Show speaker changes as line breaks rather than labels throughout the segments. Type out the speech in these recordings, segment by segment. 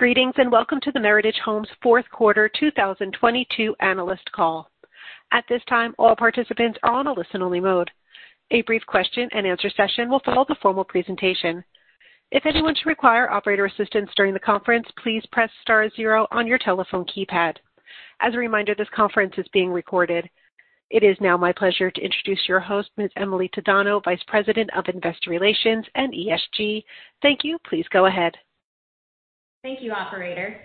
Greetings, welcome to the Meritage Homes fourth quarter 2022 analyst call. At this time, all participants are on a listen-only mode. A brief question-and-answer session will follow the formal presentation. If anyone should require operator assistance during the conference, please press star zero on your telephone keypad. As a reminder, this conference is being recorded. It is now my pleasure to introduce your host, Ms. Emily Tadano, Vice President of Investor Relations and ESG. Thank you. Please go ahead.
Thank you, operator.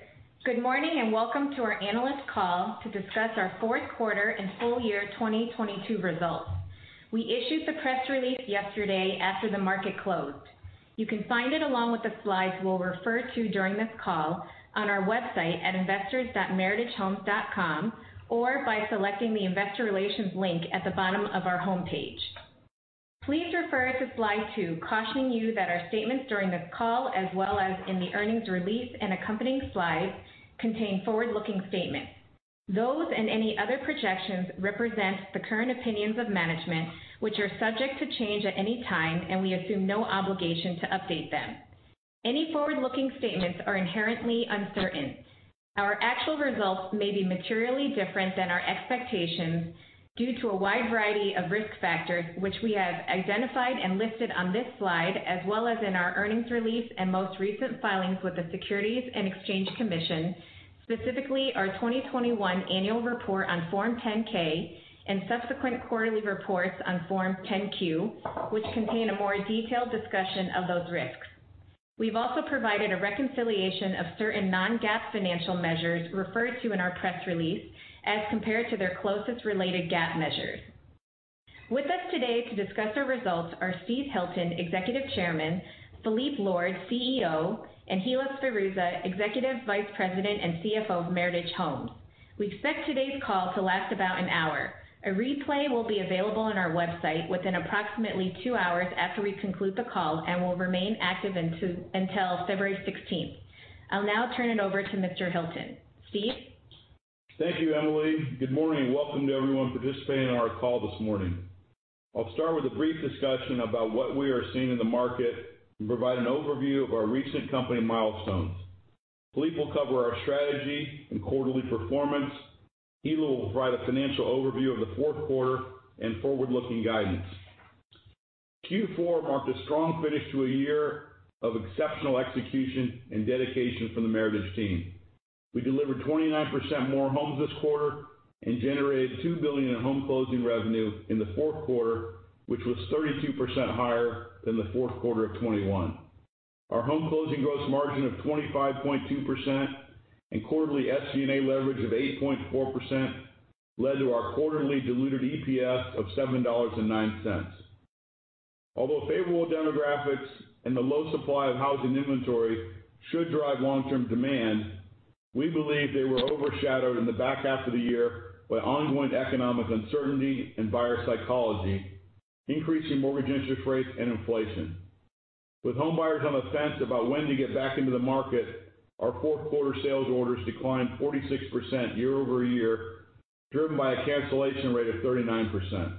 Good morning, and welcome to our analyst call to discuss our fourth quarter and full year 2022 results. We issued the press release yesterday after the market closed. You can find it along with the slides we'll refer to during this call on our website at investors.meritagehomes.com or by selecting the Investor Relations link at the bottom of our homepage. Please refer to slide two, cautioning you that our statements during this call as well as in the earnings release and accompanying slides contain forward-looking statements. Those and any other projections represent the current opinions of management, which are subject to change at any time, and we assume no obligation to update them. Any forward-looking statements are inherently uncertain. Our actual results may be materially different than our expectations due to a wide variety of risk factors, which we have identified and listed on this slide as well as in our earnings release and most recent filings with the Securities and Exchange Commission, specifically our 2021 Annual Report on Form 10-K and subsequent quarterly reports on Form 10-Q, which contain a more detailed discussion of those risks. We've also provided a reconciliation of certain non-GAAP financial measures referred to in our press release as compared to their closest related GAAP measures. With us today to discuss our results are Steve Hilton, Executive Chairman, Phillippe Lord, CEO, and Hilla Sferruzza, Executive Vice President and CFO of Meritage Homes. We expect today's call to last about an hour. A replay will be available on our website within approximately two hours after we conclude the call and will remain active until February 16th, 2023. I'll now turn it over to Mr. Hilton. Steve?
Thank you, Emily. Good morning, and welcome to everyone participating on our call this morning. I'll start with a brief discussion about what we are seeing in the market and provide an overview of our recent company milestones. Phillippe will cover our strategy and quarterly performance. Hilla will provide a financial overview of the fourth quarter and forward-looking guidance. Q4 marked a strong finish to a year of exceptional execution and dedication from the Meritage team. We delivered 29% more homes this quarter and generated $2 billion in home closing revenue in the fourth quarter, which was 32% higher than the fourth quarter of 2021. Our home closing gross margin of 25.2% and quarterly SG&A leverage of 8.4% led to our quarterly diluted EPS of $7.09. Although favorable demographics and the low supply of housing inventory should drive long-term demand, we believe they were overshadowed in the back half of the year by ongoing economic uncertainty and buyer psychology, increasing mortgage interest rates and inflation. With homebuyers on the fence about when to get back into the market, our fourth quarter sales orders declined 46% year-over-year, driven by a cancellation rate of 39%.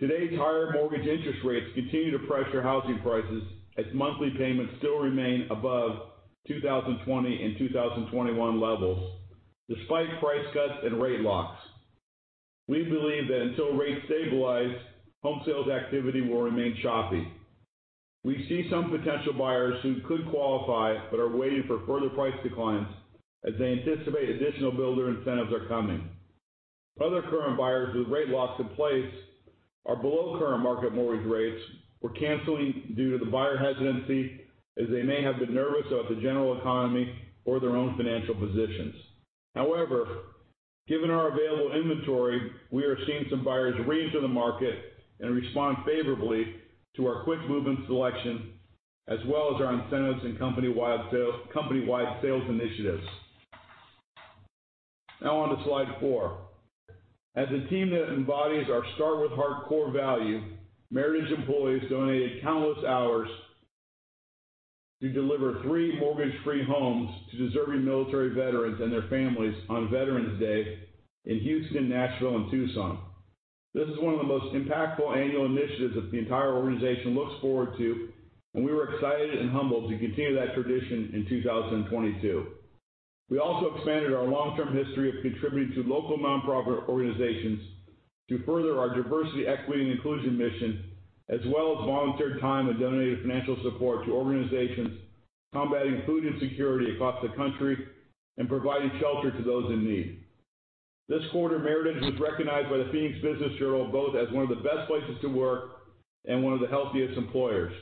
Today's higher mortgage interest rates continue to pressure housing prices as monthly payments still remain above 2020 and 2021 levels despite price cuts and rate locks. We believe that until rates stabilize, home sales activity will remain choppy. We see some potential buyers who could qualify but are waiting for further price declines as they anticipate additional builder incentives are coming. Other current buyers with rate locks in place are below current market mortgage rates were canceling due to the buyer hesitancy as they may have been nervous about the general economy or their own financial positions. Given our available inventory, we are seeing some buyers reenter the market and respond favorably to our quick movement selection as well as our incentives and company-wide sales initiatives. Now on to slide four. As a team that embodies our start with heart core value, Meritage employees donated countless hours to deliver three mortgage-free homes to deserving military veterans and their families on Veterans Day in Houston, Nashville, and Tucson. This is one of the most impactful annual initiatives that the entire organization looks forward to, and we were excited and humbled to continue that tradition in 2022. We also expanded our long-term history of contributing to local nonprofit organizations to further our diversity, equity, and inclusion mission, as well as volunteered time and donated financial support to organizations combating food insecurity across the country and providing shelter to those in need. This quarter, Meritage was recognized by the Phoenix Business Journal both as one of the Best Places to Work and one of the Healthiest Employers.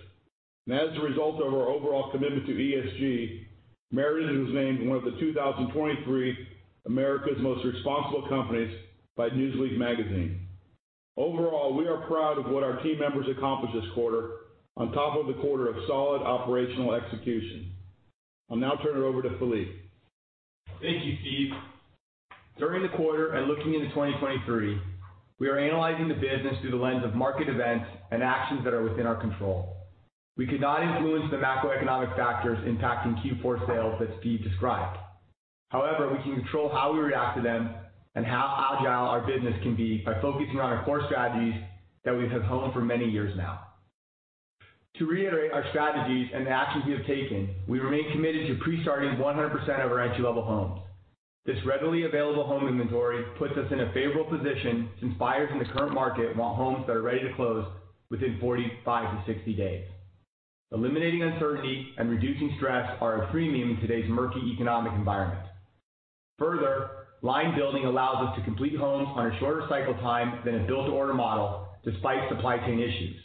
As a result of our overall commitment to ESG, Meritage was named one of the 2023 America's Most Responsible Companies by Newsweek magazine. Overall, we are proud of what our team members accomplished this quarter on top of the quarter of solid operational execution. I'll now turn it over to Phillippe.
Thank you, Steve. During the quarter and looking into 2023, we are analyzing the business through the lens of market events and actions that are within our control. We cannot influence the macroeconomic factors impacting Q4 sales that Steve described. We can control how we react to them and how agile our business can be by focusing on our core strategies that we have honed for many years now. To reiterate our strategies and the actions we have taken, we remain committed to pre-starting 100% of our entry-level homes. This readily available home inventory puts us in a favorable position since buyers in the current market want homes that are ready to close within 45-60 days. Eliminating uncertainty and reducing stress are a premium in today's murky economic environment. Line building allows us to complete homes on a shorter cycle time than a build-to-order model despite supply chain issues.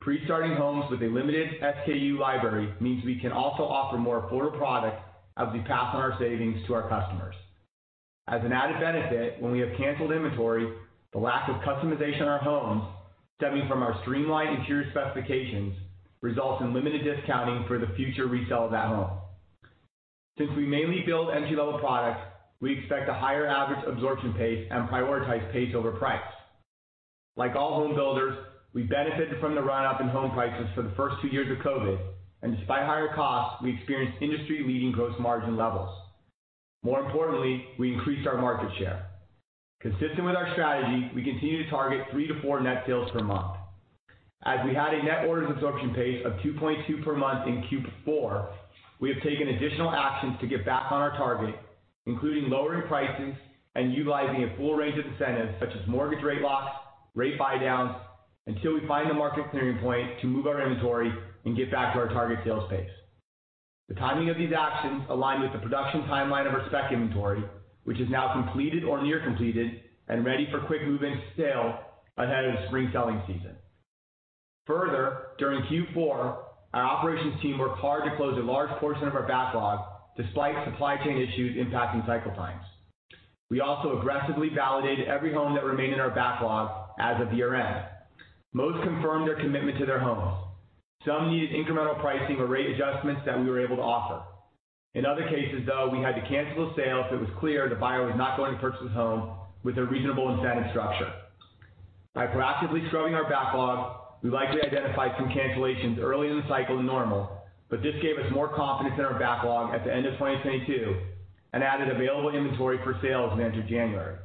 Pre-starting homes with a limited SKU library means we can also offer more affordable products as we pass on our savings to our customers. As an added benefit, when we have canceled inventory, the lack of customization in our homes, stemming from our streamlined interior specifications, results in limited discounting for the future resale of that home. Since we mainly build entry-level products, we expect a higher average absorption pace and prioritize pace over price. Like all home builders, we benefited from the run-up in home prices for the first two years of COVID, and despite higher costs, we experienced industry-leading gross margin levels. More importantly, we increased our market share. Consistent with our strategy, we continue 3-4 net sales per month. As we had a net orders absorption pace of 2.2 per month in Q4, we have taken additional actions to get back on our target, including lowering prices and utilizing a full range of incentives such as mortgage rate locks, rate buy downs, until we find the market clearing point to move our inventory and get back to our target sales pace. The timing of these actions align with the production timeline of our spec inventory, which is now completed or near completed and ready for quick move-in sale ahead of the spring selling season. Further, during Q4, our operations team worked hard to close a large portion of our backlog despite supply chain issues impacting cycle times. We also aggressively validated every home that remained in our backlog as of year-end. Most confirmed their commitment to their homes. Some needed incremental pricing or rate adjustments that we were able to offer. In other cases, though, we had to cancel a sale. It was clear the buyer was not going to purchase this home with a reasonable incentive structure. By proactively scrubbing our backlog, we likely identified some cancellations earlier in the cycle than normal. This gave us more confidence in our backlog at the end of 2022 and added available inventory for sale as we entered January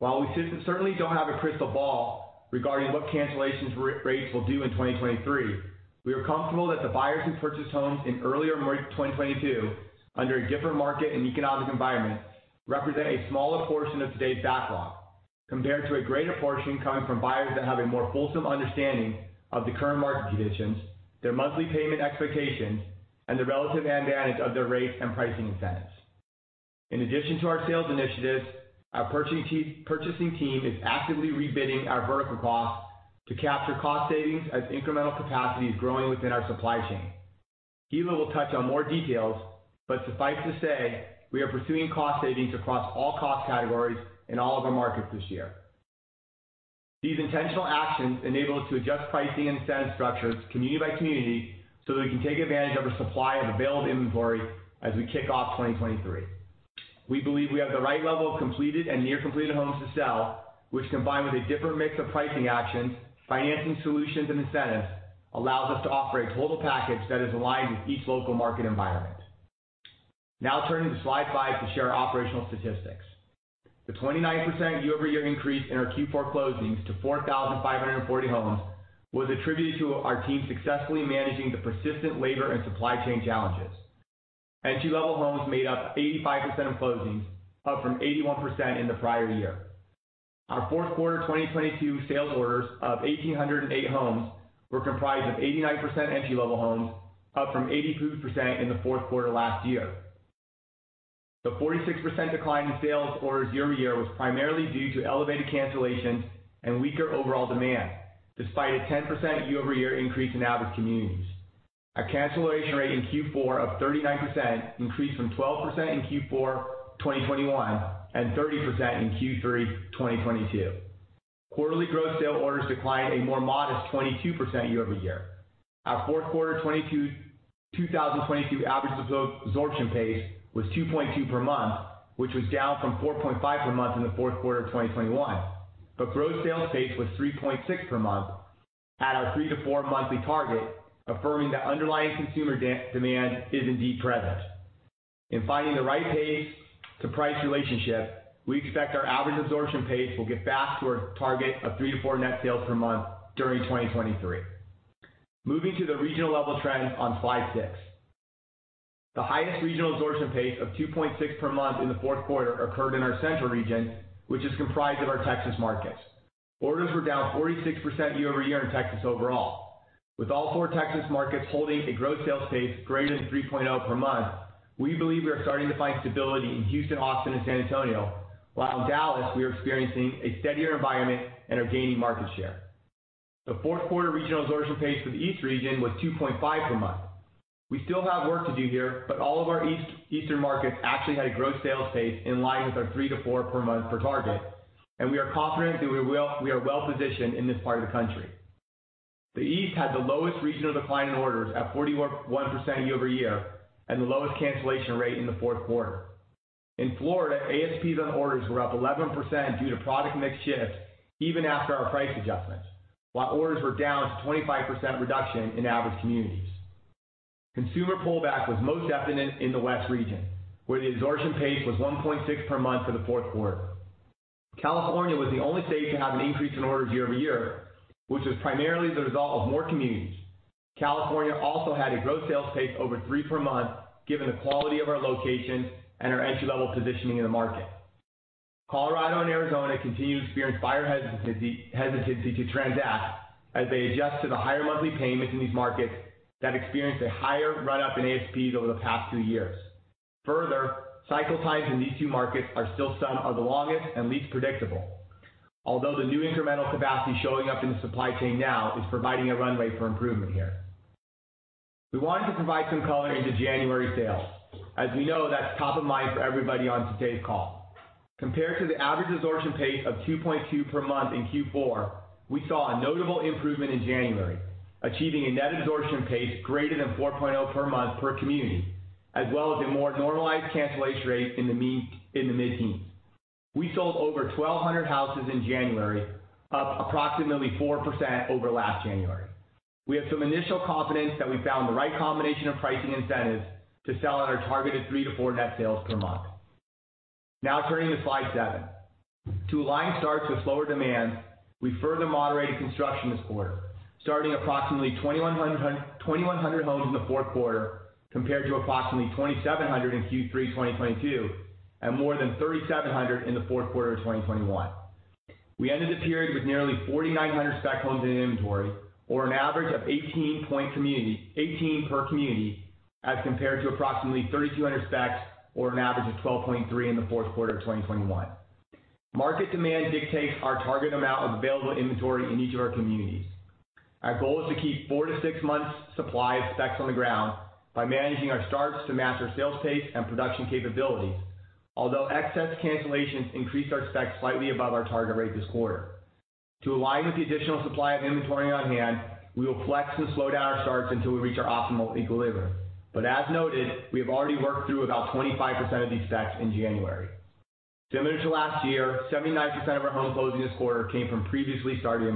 2023. While we certainly don't have a crystal ball regarding what cancellations rates will do in 2023, we are comfortable that the buyers who purchased homes in earlier March 2022 under a different market and economic environment represent a smaller portion of today's backlog compared to a greater portion coming from buyers that have a more fulsome understanding of the current market conditions, their monthly payment expectations, and the relative advantage of their rates and pricing incentives. In addition to our sales initiatives, our purchasing team is actively rebidding our vertical costs to capture cost savings as incremental capacity is growing within our supply chain. Hilla will touch on more details, but suffice to say, we are pursuing cost savings across all cost categories in all of our markets this year. These intentional actions enable us to adjust pricing incentive structures community by community so that we can take advantage of our supply of available inventory as we kick off 2023. We believe we have the right level of completed and near completed homes to sell, which combined with a different mix of pricing actions, financing solutions and incentives, allows us to offer a total package that is aligned with each local market environment. Turning to slide five to share our operational statistics. The 29% year-over-year increase in our Q4 closings to 4,540 homes was attributed to our team successfully managing the persistent labor and supply chain challenges. Entry-level homes made up 85% of closings, up from 81% in the prior year. Our fourth quarter 2022 sales orders of 1,808 homes were comprised of 89% entry-level homes, up from 82% in the fourth quarter last year. The 46% decline in sales orders year-over-year was primarily due to elevated cancellations and weaker overall demand, despite a 10% year-over-year increase in average communities. A cancellation rate in Q4 of 39% increased from 12% in Q4, 2021 and 30% in Q3, 2022. Quarterly growth sale orders declined a more modest 22% year-over-year. Our fourth quarter 2022 average absorption pace was 2.2 per month, which was down from 4.5 per month in the fourth quarter of 2021. Growth sales pace was 3.6 per month 3-4 monthly target, affirming that underlying consumer demand is indeed present. In finding the right pace to price relationship, we expect our average absorption pace will get back to our 3-4 net sales per month during 2023. Moving to the regional level trends on slide six. The highest regional absorption pace of 2.6 per month in the fourth quarter occurred in our central region, which is comprised of our Texas markets. Orders were down 46% year-over-year in Texas overall. With all four Texas markets holding a growth sales pace greater than 3.0 per month, we believe we are starting to find stability in Houston, Austin, and San Antonio. While in Dallas, we are experiencing a steadier environment and are gaining market share. The fourth quarter regional absorption pace for the East region was 2.5 per month. We still have work to do here, but all of our Eastern markets actually had a growth sales pace in line with our 3-4 per month per target. We are confident that we are well-positioned in this part of the country. The East had the lowest regional decline in orders at 41% year-over-year and the lowest cancellation rate in the fourth quarter. In Florida, ASPs on orders were up 11% due to product mix shifts even after our price adjustments, while orders were down to 25% reduction in average communities. Consumer pullback was most evident in the West region, where the absorption pace was 1.6 per month for the fourth quarter. California was the only state to have an increase in orders year-over-year, which was primarily the result of more communities. California also had a gross sales pace over 3 per month given the quality of our locations and our entry-level positioning in the market. Colorado and Arizona continue to experience buyer hesitancy to transact as they adjust to the higher monthly payments in these markets that experience a higher run-up in ASPs over the past two years. Cycle times in these two markets are still some of the longest and least predictable. The new incremental capacity showing up in the supply chain now is providing a runway for improvement here. We wanted to provide some color into January 2023 sales, as we know that's top of mind for everybody on today's call. Compared to the average absorption pace of 2.2 per month in Q4, we saw a notable improvement in January, achieving a net absorption pace greater than 4.0 per month per community, as well as a more normalized cancellation rate in the mid-teens. We sold over 1,200 houses in January, up approximately 4% over last January. We have some initial confidence that we found the right combination of pricing incentives to sell at our targeted 3-4 net sales per month. Turning to slide seven. To align starts with lower demand, we further moderated construction this quarter, starting approximately 2,100 homes in the fourth quarter compared to approximately 2,700 in Q3 2022 and more than 3,700 in the fourth quarter of 2021. We ended the period with nearly 4,900 spec homes in inventory, or an average of 18 per community, as compared to approximately 3,200 specs or an average of 12.3 in the fourth quarter of 2021. Market demand dictates our target amount of available inventory in each of our communities. Our goal is to keep four to six months supply of specs on the ground by managing our starts to match our sales pace and production capabilities. Excess cancellations increased our specs slightly above our target rate this quarter. To align with the additional supply of inventory on hand, we will flex and slow down our starts until we reach our optimal equilibrium. As noted, we have already worked through about 25% of these specs in January 2023. Similar to last year, 79% of our home closings this quarter came from previously started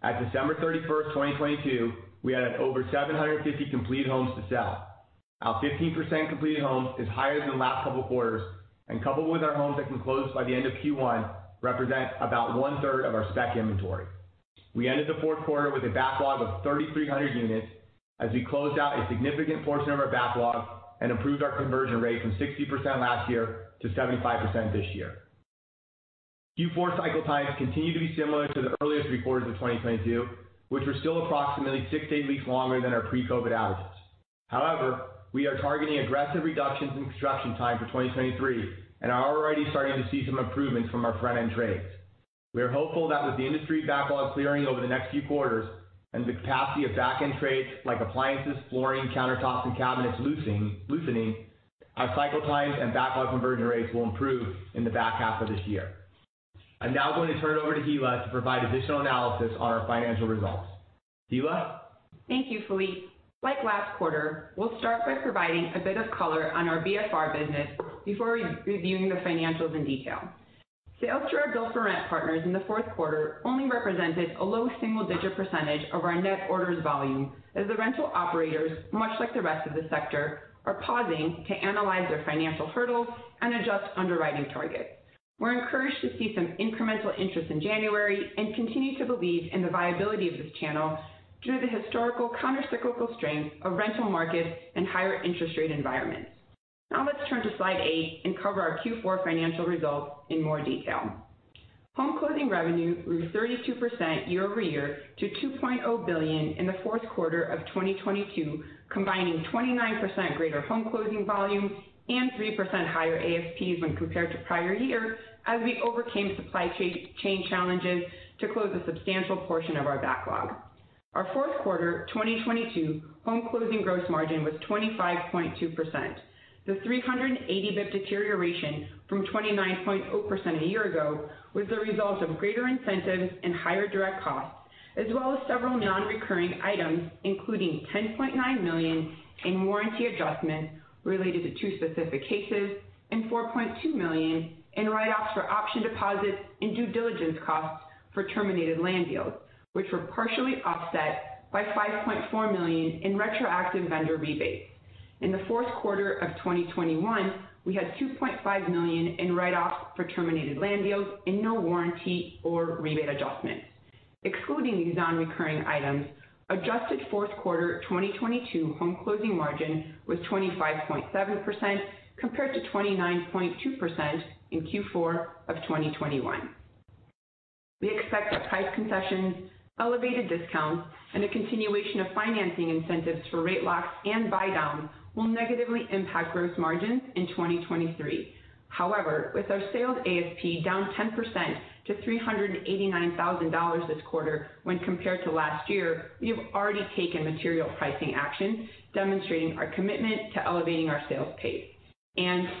inventory. At December 31st, 2022, we had over 750 completed homes to sell. Our 15% completed homes is higher than the last couple of quarters and coupled with our homes that can close by the end of Q1 represent about 1/3 of our spec inventory. We ended the fourth quarter with a backlog of 3,300 units as we closed out a significant portion of our backlog and improved our conversion rate from 60% last year to 75% this year. Q4 cycle times continue to be similar to the earliest three quarters of 2022, which were still approximately six to eight weeks longer than our pre-COVID averages. However, we are targeting aggressive reductions in construction time for 2023 and are already starting to see some improvements from our front-end trades. We are hopeful that with the industry backlog clearing over the next few quarters and the capacity of back-end trades like appliances, flooring, countertops, and cabinets loosening, our cycle times and backlog conversion rates will improve in the back half of this year. I'm now going to turn it over to Hilla to provide additional analysis on our financial results. Hilla?
Thank you, Phillippe. Like last quarter, we'll start by providing a bit of color on our BFR business before re-reviewing the financials in detail. Sales to our build-for-rent partners in the fourth quarter only represented a low single-digit percentage of our net orders volume as the rental operators, much like the rest of the sector, are pausing to analyze their financial hurdles and adjust underwriting targets. We're encouraged to see some incremental interest in January and continue to believe in the viability of this channel due to the historical countercyclical strength of rental markets and higher interest rate environments. Let's turn to slide eight and cover our Q4 financial results in more detail. Home closing revenue grew 32% year-over-year to $2.0 billion in the fourth quarter of 2022, combining 29% greater home closing volume and 3% higher ASPs when compared to prior year as we overcame supply chain challenges to close a substantial portion of our backlog. Our fourth quarter 2022 home closing gross margin was 25.2%. The 380 basis points deterioration from 29.0% a year ago was the result of greater incentives and higher direct costs, as well as several non-recurring items, including $10.9 million in warranty adjustments related to two specific cases and $4.2 million in write-offs for option deposits and due diligence costs for terminated land deals, which were partially offset by $5.4 million in retroactive vendor rebates. In the fourth quarter of 2021, we had $2.5 million in write-off for terminated land deals and no warranty or rebate adjustments. Excluding these non-recurring items, adjusted fourth quarter 2022 home closing margin was 25.7% compared to 29.2% in Q4 of 2021. We expect that tight concessions, elevated discounts, and a continuation of financing incentives for rate locks and buy downs will negatively impact gross margins in 2023. However, with our sales ASP down 10% to $389,000 this quarter when compared to last year, we have already taken material pricing action, demonstrating our commitment to elevating our sales pace.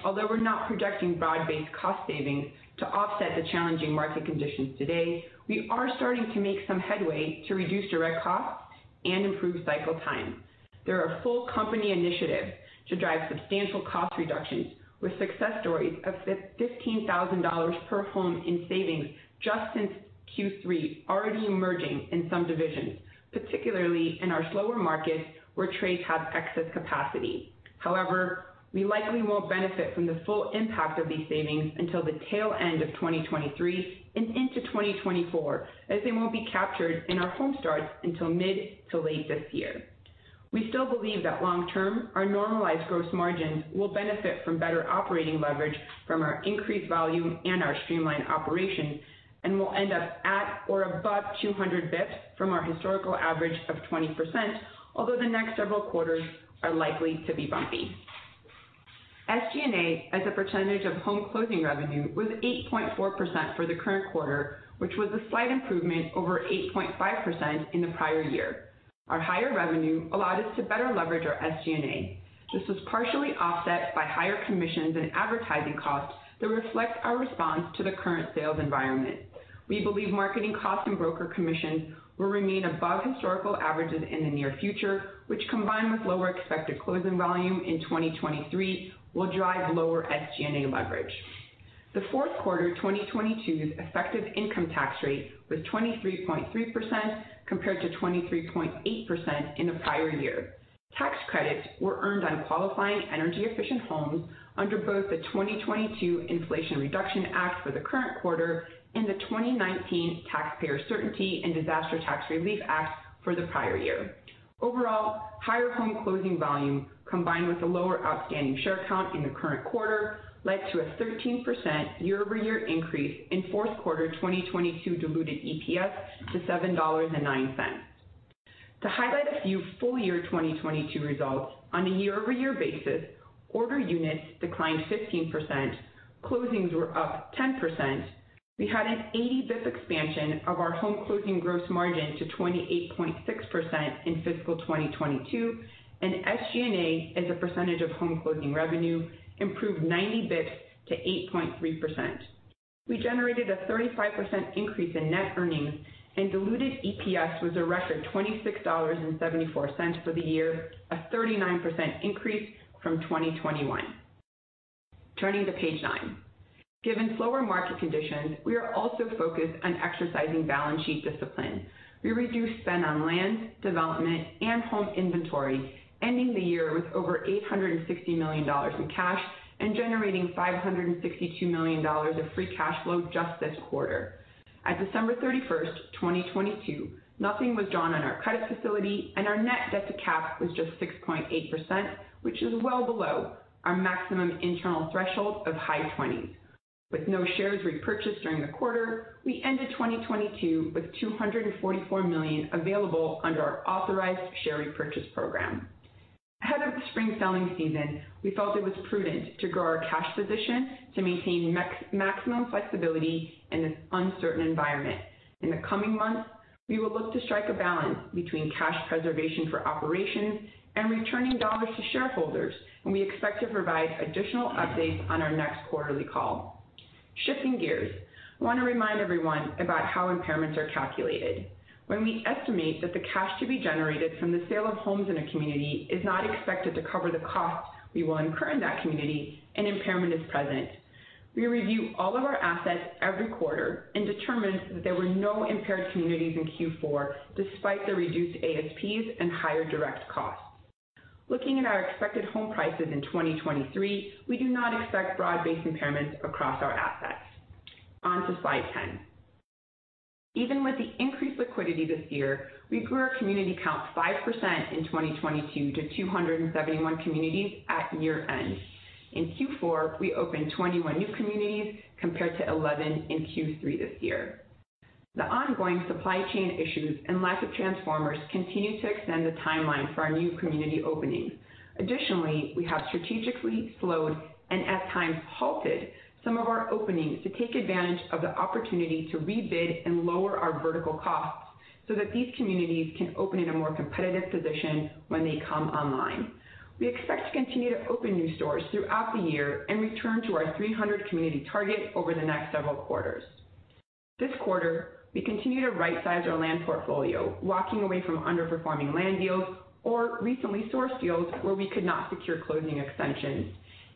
Although we're not projecting broad-based cost savings to offset the challenging market conditions today, we are starting to make some headway to reduce direct costs and improve cycle time. There are full company initiatives to drive substantial cost reductions with success stories of $15,000 per home in savings just since Q3 already emerging in some divisions, particularly in our slower markets where trades have excess capacity. We likely won't benefit from the full impact of these savings until the tail end of 2023 and into 2024, as they won't be captured in our home starts until mid-to-late this year. We still believe that long term, our normalized gross margin will benefit from better operating leverage from our increased volume and our streamlined operation, and will end up at or above 200 basis points from our historical average of 20%, although the next several quarters are likely to be bumpy. SG&A as a percentage of home closing revenue was 8.4% for the current quarter, which was a slight improvement over 8.5% in the prior year. Our higher revenue allowed us to better leverage our SG&A. This was partially offset by higher commissions and advertising costs that reflect our response to the current sales environment. We believe marketing costs and broker commissions will remain above historical averages in the near future, which, combined with lower expected closing volume in 2023, will drive lower SG&A leverage. The fourth quarter, 2022's effective income tax rate was 23.3% compared to 23.8% in the prior year. Tax credits were earned on qualifying energy efficient homes under both the 2022 Inflation Reduction Act for the current quarter and the 2019 Taxpayer Certainty and Disaster Tax Relief Act for the prior year. Overall, higher home closing volume, combined with a lower outstanding share count in the current quarter, led to a 13% year-over-year increase in fourth quarter 2022 diluted EPS to $7.09. To highlight a few full year 2022 results on a year-over-year basis, order units declined 15%. Closings were up 10%. We had an 80 bips expansion of our home closing gross margin to 28.6% in fiscal 2022, and SG&A, as a percentage of home closing revenue, improved 90 bips to 8.3%. We generated a 35% increase in net earnings. Diluted EPS was a record $26.74 for the year, a 39% increase from 2021. Turning to page nine. Given slower market conditions, we are also focused on exercising balance sheet discipline. We reduced spend on land development and home inventory ending the year with over $860 million in cash and generating $562 million of free cash flow just this quarter. At December 31st, 2022, nothing was drawn on our credit facility and our net debt to cap was just 6.8%, which is well below our maximum internal threshold of high-20s. With no shares repurchased during the quarter, we ended 2022 with $244 million available under our authorized share repurchase program. Ahead of the spring selling season, we felt it was prudent to grow our cash position to maintain maximum flexibility in this uncertain environment. In the coming months, we will look to strike a balance between cash preservation for operations and returning dollars to shareholders. We expect to provide additional updates on our next quarterly call. Shifting gears. I want to remind everyone about how impairments are calculated. When we estimate that the cash to be generated from the sale of homes in a community is not expected to cover the cost we will incur in that community, an impairment is present. We review all of our assets every quarter and determined that there were no impaired communities in Q4 despite the reduced ASPs and higher direct costs. Looking at our expected home prices in 2023, we do not expect broad-based impairments across our assets. On to slide 10. Even with the increased liquidity this year, we grew our community count 5% in 2022 to 271 communities at year-end. In Q4, we opened 21 new communities compared to 11 in Q3 this year. The ongoing supply chain issues and lack of transformers continue to extend the timeline for our new community openings. Additionally, we have strategically slowed, and at times halted some of our openings to take advantage of the opportunity to rebid and lower our vertical costs so that these communities can open in a more competitive position when they come online. We expect to continue to open new stores throughout the year and return to our 300 community target over the next several quarters. This quarter, we continue to right-size our land portfolio, walking away from underperforming land deals or recently sourced deals where we could not secure closing extensions.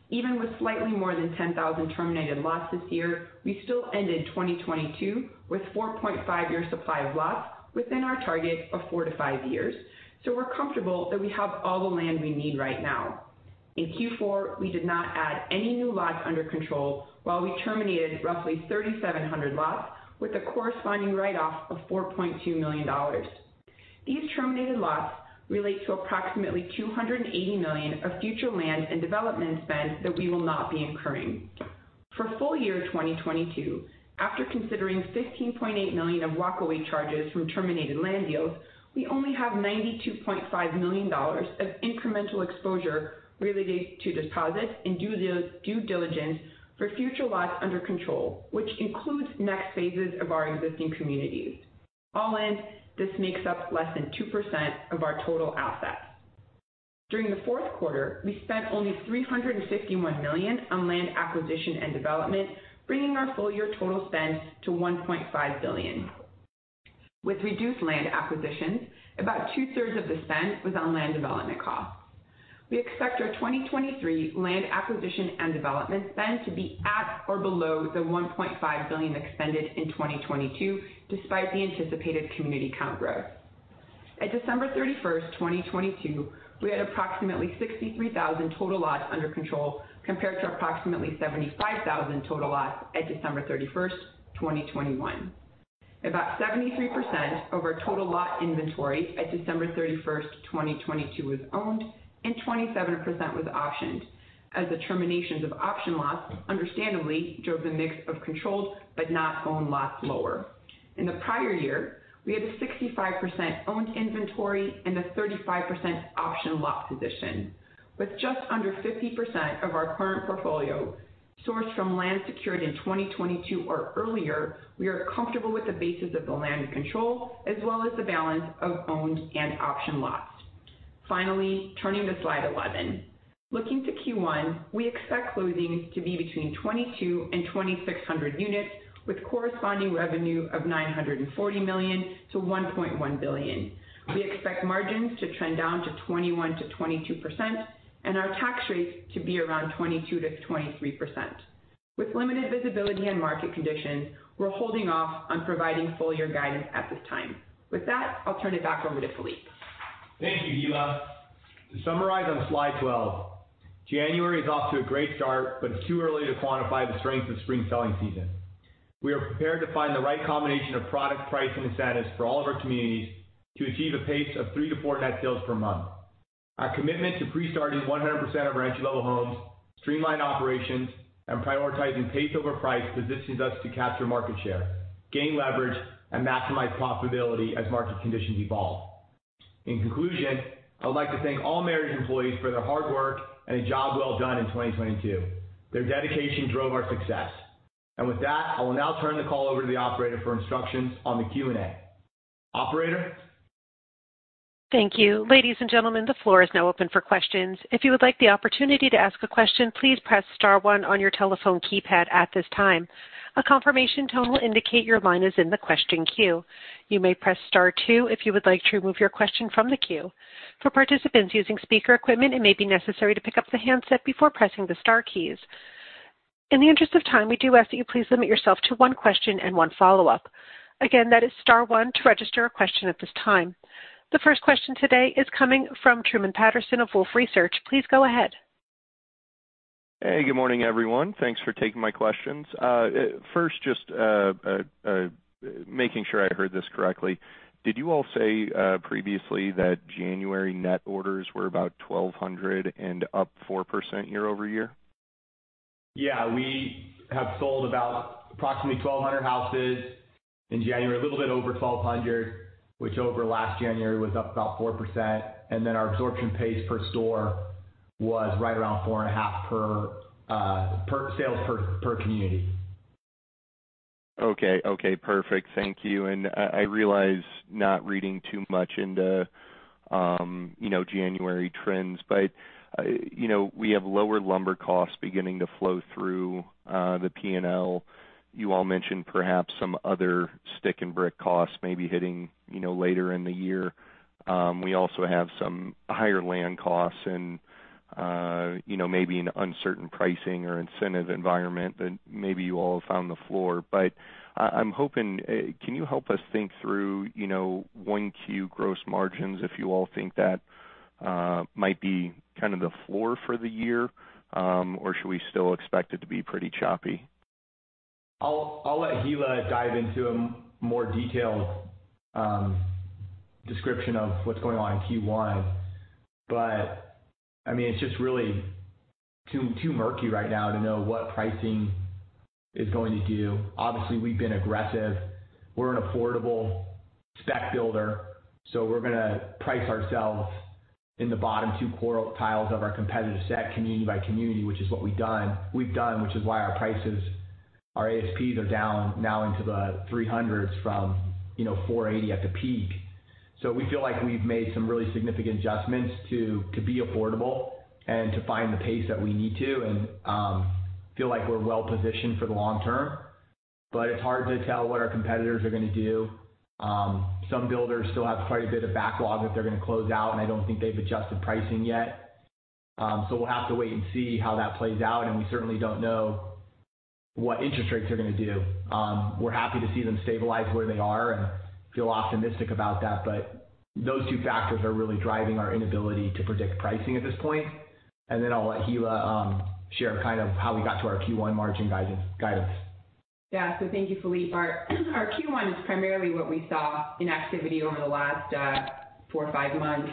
Even with slightly more than 10,000 terminated lots this year, we still ended 2022 with 4.5 year supply of lots within our target of four to five years. We're comfortable that we have all the land we need right now. In Q4, we did not add any new lots under control while we terminated roughly 3,700 lots with a corresponding write off of $4.2 million. These terminated lots relate to approximately $280 million of future land and development spend that we will not be incurring. For full year 2022, after considering $15.8 million of walkaway charges from terminated land deals, we only have $92.5 million of incremental exposure related to deposits and due diligence for future lots under control, which includes next phases of our existing communities. All in, this makes up less than 2% of our total assets. During the fourth quarter, we spent only $361 million on land acquisition and development, bringing our full year total spend to $1.5 billion. With reduced land acquisitions, about 2/3 of the spend was on land development costs. We expect our 2023 land acquisition and development spend to be at or below the $1.5 billion expended in 2022, despite the anticipated community count growth. At December 31st, 2022, we had approximately 63,000 total lots under control, compared to approximately 75,000 total lots at December 31st, 2021. About 73% of our total lot inventory at December 31st, 2022 was owned and 27% was optioned, as the terminations of option lots understandably drove the mix of controlled but not owned lots lower. In the prior year, we had a 65% owned inventory and a 35% option lot position. With just under 50% of our current portfolio sourced from land secured in 2022 or earlier, we are comfortable with the basis of the land control as well as the balance of owned and option lots. Turning to slide 11. Looking to Q1, we expect closings to be between 2,200 and 2,600 units, with corresponding revenue of $940 million-$1.1 billion. We expect margins to trend down to 21%-22%, and our tax rates to be around 22%-23%. With limited visibility and market conditions, we're holding off on providing full year guidance at this time. With that, I'll turn it back over to Phillippe.
Thank you, Hilla. To summarize on slide 12, January is off to a great start, but it's too early to quantify the strength of spring selling season. We are prepared to find the right combination of product, price, and incentives for all of our communities to achieve a pace of 3 to 4 net sales per month. Our commitment to pre-starting 100% of ranch-level homes, streamlined operations, and prioritizing pace over price positions us to capture market share, gain leverage, and maximize profitability as market conditions evolve. In conclusion, I would like to thank all Meritage Homes for their hard work and a job well done in 2022. Their dedication drove our success. With that, I will now turn the call over to the operator for instructions on the Q&A. Operator?
Thank you. Ladies and gentlemen, the floor is now open for questions. If you would like the opportunity to ask a question, please press star one on your telephone keypad at this time. A confirmation tone will indicate your line is in the question queue. You may press star two if you would like to remove your question from the queue. For participants using speaker equipment, it may be necessary to pick up the handset before pressing the star keys. In the interest of time, we do ask that you please limit yourself to one question and one follow-up. Again, that is star one to register a question at this time. The first question today is coming from Truman Patterson of Wolfe Research. Please go ahead.
Hey, good morning, everyone. Thanks for taking my questions. First, just making sure I heard this correctly. Did you all say previously that January net orders were about 1,200 and up 4% year-over-year?
Yeah. We have sold about approximately 1,200 houses in January, a little bit over 1,200, which over last January was up about 4%. Our absorption pace per store was right around 4.5 per sales per community.
Okay. Okay, perfect. Thank you. I realize not reading too much into, you know, January trends, but, you know, we have lower lumber costs beginning to flow through the P&L. You all mentioned perhaps some other stick and brick costs may be hitting, you know, later in the year. We also have some higher land costs and, you know, maybe an uncertain pricing or incentive environment that maybe you all have found the floor. I'm hoping, can you help us think through, you know, 1Q gross margins, if you all think that might be kind of the floor for the year? Or should we still expect it to be pretty choppy?
I'll let Hilla dive into a more detailed description of what's going on in Q1, but I mean, it's just really too murky right now to know what pricing is going to do. Obviously, we've been aggressive. We're an affordable spec builder, so we're gonna price ourselves in the bottom two quartiles of our competitive set community by community, which is what we've done, which is why our prices, our ASPs are down now into the $300s from, you know, $480 at the peak. We feel like we've made some really significant adjustments to be affordable and to find the pace that we need to, and feel like we're well positioned for the long term. It's hard to tell what our competitors are gonna do. Some builders still have quite a bit of backlog that they're gonna close out, and I don't think they've adjusted pricing yet. We'll have to wait and see how that plays out, and we certainly don't know what interest rates are gonna do. We're happy to see them stabilize where they are and feel optimistic about that. Those two factors are really driving our inability to predict pricing at this point. I'll let Hilla share kind of how we got to our Q1 margin guidance.
Yeah. Thank you, Phillippe. Our Q1 is primarily what we saw in activity over the last four or five months.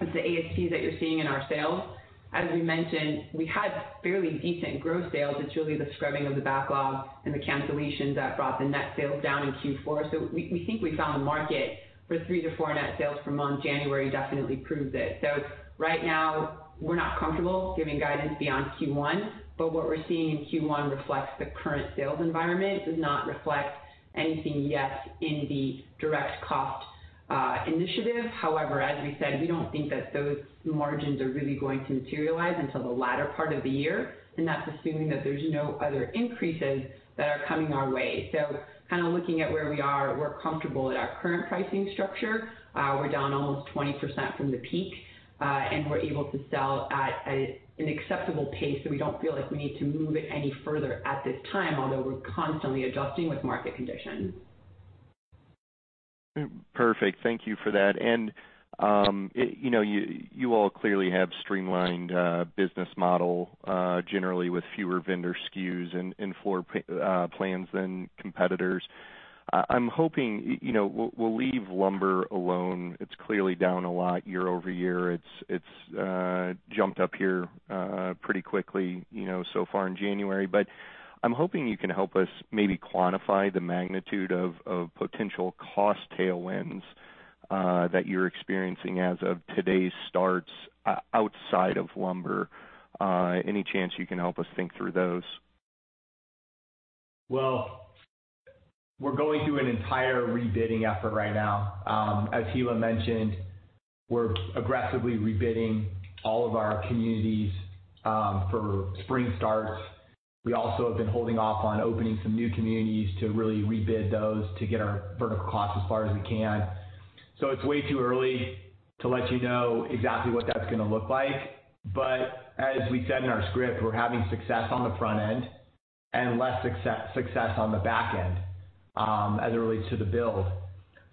It's the ASPs that you're seeing in our sales. As we mentioned, we had fairly decent growth sales. It's really the scrubbing of the backlog and the cancellations that brought the net sales down in Q4. We think we found the market for 3 to 4 net sales per month. January definitely proves it. Right now, we're not comfortable giving guidance beyond Q1, but what we're seeing in Q1 reflects the current sales environment. It does not reflect anything yet in the direct cost initiative. However, as we said, we don't think that those margins are really going to materialize until the latter part of the year, and that's assuming that there's no other increases that are coming our way. kind of looking at where we are, we're comfortable at our current pricing structure. We're down almost 20% from the peak, and we're able to sell at an acceptable pace, so we don't feel like we need to move it any further at this time, although we're constantly adjusting with market conditions.
Perfect. Thank you for that. You know, you all clearly have streamlined business model generally with fewer vendor SKUs and floor plans than competitors. I'm hoping, you know, we'll leave lumber alone. It's clearly down a lot year-over-year. It's jumped up here pretty quickly, you know, so far in January. I'm hoping you can help us maybe quantify the magnitude of potential cost tailwinds that you're experiencing as of today's starts outside of lumber. Any chance you can help us think through those?
Well, we're going through an entire rebidding effort right now. As Hilla mentioned, we're aggressively rebidding all of our communities for spring starts. We also have been holding off on opening some new communities to really rebid those to get our vertical costs as far as we can. It's way too early to let you know exactly what that's gonna look like. As we said in our script, we're having success on the front end and less success on the back end as it relates to the build.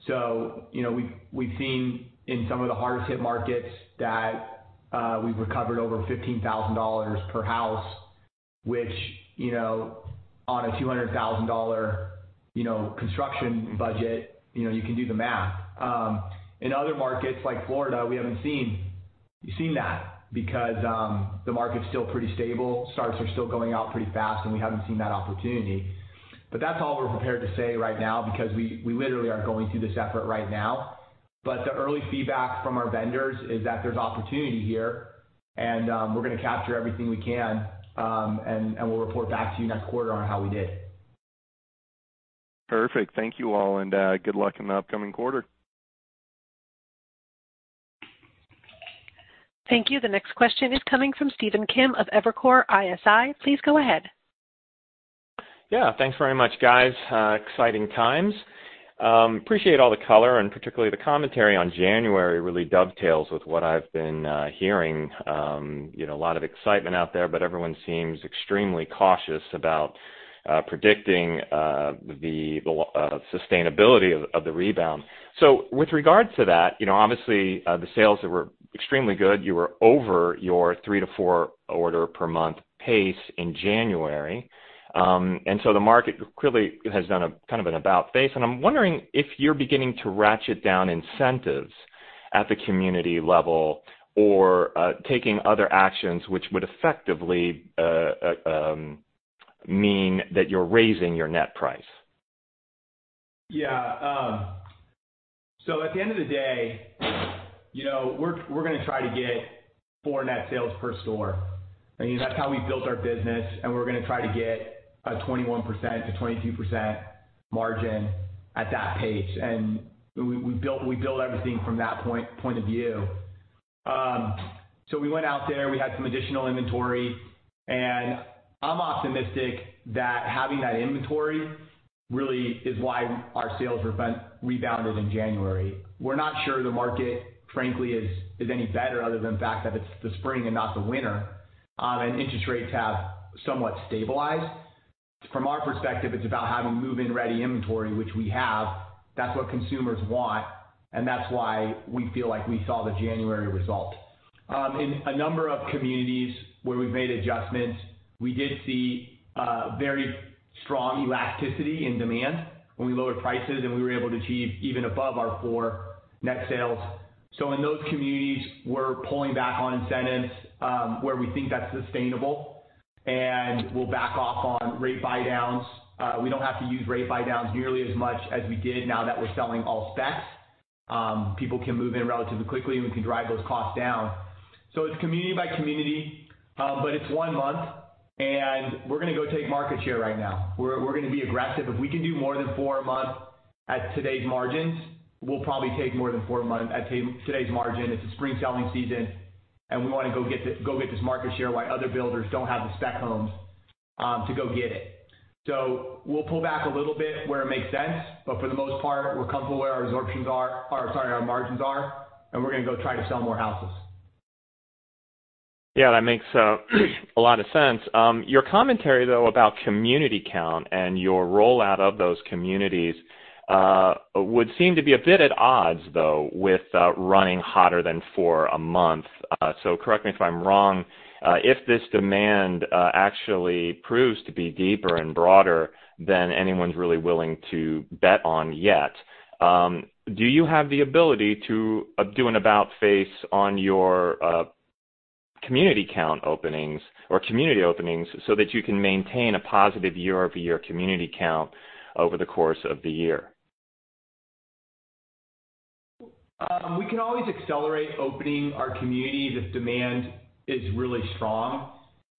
You know, we've seen in some of the hardest hit markets that we've recovered over $15,000 per house, which, you know, on a $200,000, you know, construction budget, you know, you can do the math. In other markets like Florida, we haven't seen that because the market's still pretty stable. Starts are still going out pretty fast, and we haven't seen that opportunity. That's all we're prepared to say right now because we literally are going through this effort right now. The early feedback from our vendors is that there's opportunity here and we're gonna capture everything we can, and we'll report back to you next quarter on how we did.
Perfect. Thank you all, and good luck in the upcoming quarter.
Thank you. The next question is coming from Stephen Kim of Evercore ISI. Please go ahead.
Yeah. Thanks very much, guys. Exciting times. Appreciate all the color, and particularly the commentary on January really dovetails with what I've been hearing. You know, a lot of excitement out there, but everyone seems extremely cautious about predicting the sustainability of the rebound. With regard to that, you know, obviously the sales that were extremely good, you were over your 3 to 4 order per month pace in January. The market clearly has done a kind of an about face. I'm wondering if you're beginning to ratchet down incentives at the community level or taking other actions which would effectively mean that you're raising your net price.
Yeah. At the end of the day, you know, we're gonna try to get 4 net sales per store. I mean, that's how we built our business, we're gonna try to get a 21%-22% margin at that pace. We build everything from that point of view. We went out there, we had some additional inventory, I'm optimistic that having that inventory really is why our sales rebounded in January. We're not sure the market, frankly, is any better other than the fact that it's the spring and not the winter, interest rates have somewhat stabilized. From our perspective, it's about having move-in-ready inventory, which we have. That's what consumers want, that's why we feel like we saw the January result. In a number of communities where we've made adjustments, we did see very strong elasticity in demand when we lowered prices, and we were able to achieve even above our 4 net sales. In those communities, we're pulling back on incentives where we think that's sustainable, and we'll back off on rate buydowns. We don't have to use rate buydowns nearly as much as we did now that we're selling all specs. People can move in relatively quickly, and we can drive those costs down. It's community by community, but it's one month, and we're gonna go take market share right now. We're gonna be aggressive. If we can do more than 4 a month at today's margins, we'll probably take more than 4 a month at today's margin. It's a spring selling season. We want to go get this market share while other builders don't have the spec homes to go get it. We'll pull back a little bit where it makes sense. For the most part, we're comfortable where our sorry, our margins are. We're gonna go try to sell more houses.
Yeah, that makes a lot of sense. Your commentary, though, about community count and your rollout of those communities would seem to be a bit at odds, though, with running hotter than 4 a month. Correct me if I'm wrong, if this demand actually proves to be deeper and broader than anyone's really willing to bet on yet, do you have the ability to do an about face on your community count openings or community openings so that you can maintain a positive year-over-year community count over the course of the year?
We can always accelerate opening our community if demand is really strong.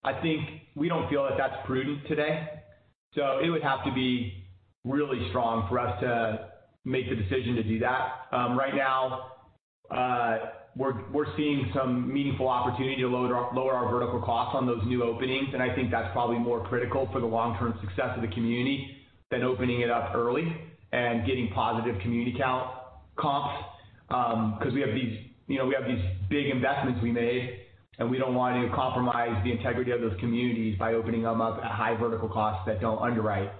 I think we don't feel that that's prudent today, so it would have to be really strong for us to make the decision to do that. Right now, we're seeing some meaningful opportunity to lower our vertical costs on those new openings, and I think that's probably more critical for the long-term success of the community than opening it up early and getting positive community count comps. 'Cause we have these, you know, we have these big investments we made, and we don't want to compromise the integrity of those communities by opening them up at high vertical costs that don't underwrite.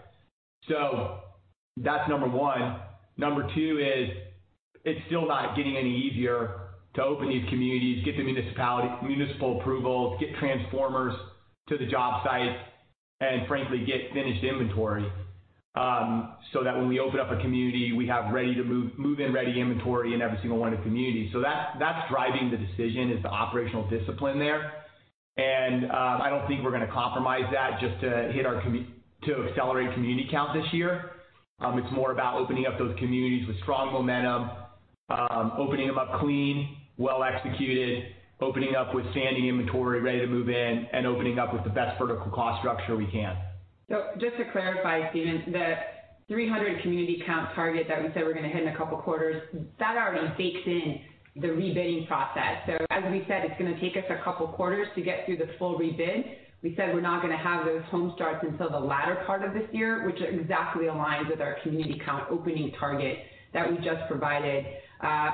That's number one. Number two is it's still not getting any easier to open these communities, get the municipal approvals, get transformers to the job site, and frankly, get finished inventory, so that when we open up a community, we have move-in-ready inventory in every single one of the communities. That's driving the decision is the operational discipline there. I don't think we're gonna compromise that just to hit our to accelerate community count this year. It's more about opening up those communities with strong momentum, opening them up clean, well executed, opening up with standing inventory ready to move in, and opening up with the best vertical cost structure we can.
Just to clarify, Stephen, the 300 community count target that we said we're gonna hit in a couple quarters, that already bakes in the rebidding process. As we said, it's gonna take us a couple quarters to get through the full rebid. We said we're not gonna have those home starts until the latter part of this year, which exactly aligns with our community count opening target that we just provided.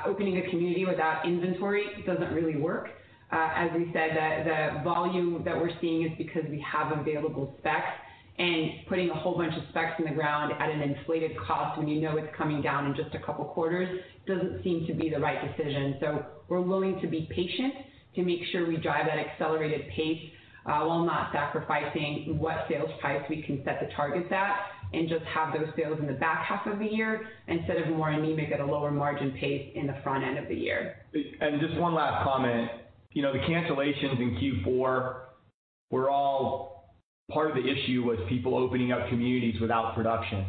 Opening a community without inventory doesn't really work. As we said, the volume that we're seeing is because we have available specs. Putting a whole bunch of specs in the ground at an inflated cost when you know it's coming down in just a couple quarters doesn't seem to be the right decision. We're willing to be patient to make sure we drive at accelerated pace, while not sacrificing what sales price we can set the targets at and just have those sales in the back half of the year instead of more anemic at a lower margin pace in the front end of the year.
Just one last comment. You know, the cancellations in Q4 were all... Part of the issue was people opening up communities without production.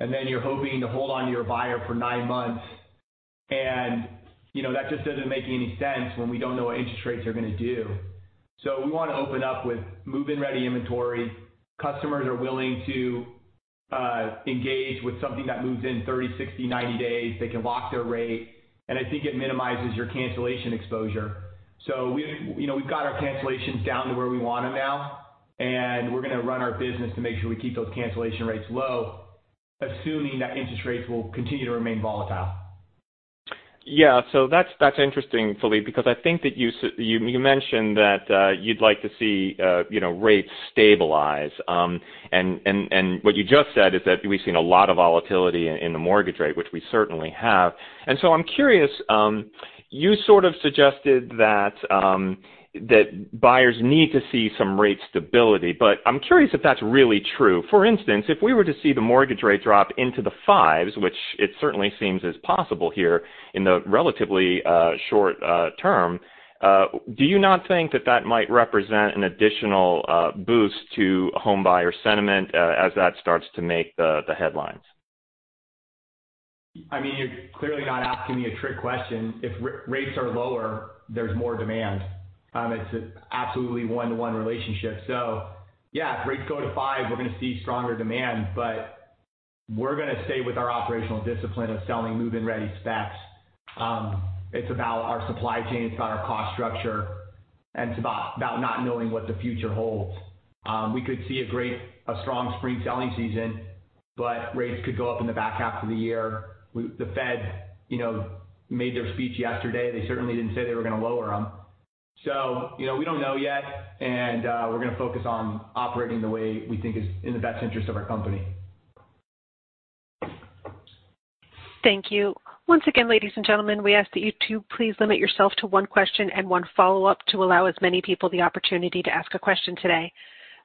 Then you're hoping to hold onto your buyer for nine months. You know, that just doesn't make any sense when we don't know what interest rates are gonna do. We wanna open up with move-in-ready inventory. Customers are willing to engage with something that moves in 30, 60, 90 days. They can lock their rate, and I think it minimizes your cancellation exposure. We, you know, we've got our cancellations down to where we want them now, and we're gonna run our business to make sure we keep those cancellation rates low, assuming that interest rates will continue to remain volatile.
Yeah. That's, that's interesting, Phillippe, because I think that you mentioned that, you'd like to see, you know, rates stabilize. What you just said is that we've seen a lot of volatility in the mortgage rate, which we certainly have. I'm curious, you sort of suggested that buyers need to see some rate stability, but I'm curious if that's really true. For instance, if we were to see the mortgage rate drop into the 5s, which it certainly seems is possible here in the relatively short term, do you not think that that might represent an additional boost to home buyer sentiment as that starts to make the headlines?
I mean, you're clearly not asking me a trick question. If rates are lower, there's more demand. It's a absolutely one-to-one relationship. Yeah, if rates go to 5, we're gonna see stronger demand. We're gonna stay with our operational discipline of selling move-in-ready specs. It's about our supply chain, it's about our cost structure, and it's about not knowing what the future holds. We could see a strong spring selling season, rates could go up in the back half of the year. The Fed, you know, made their speech yesterday, they certainly didn't say they were gonna lower them. You know, we don't know yet, and we're gonna focus on operating the way we think is in the best interest of our company.
Thank you. Once again, ladies and gentlemen, we ask that you to please limit yourself to one question and one follow-up to allow as many people the opportunity to ask a question today.